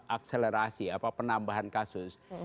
akselerasi apa penambahan kasus